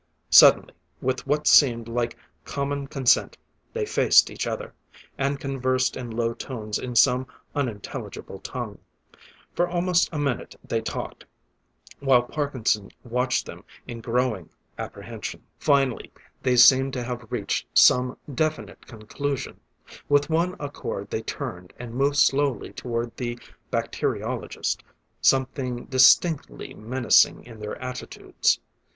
Suddenly, with what seemed like common consent, they faced each other, and conversed in low tones in some unintelligible tongue. For almost a minute they talked, while Parkinson watched them in growing apprehension. Finally they seemed to have reached some definite conclusion; with one accord they turned and moved slowly toward the bacteriologist, something distinctly menacing in their attitudes.